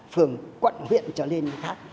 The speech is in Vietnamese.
phường quận huyện trở lên khác